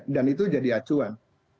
dan itu jadi acuan